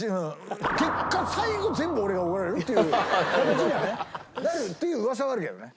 結果最後全部俺が怒られるっていう形にはね。っていう噂はあるけどね。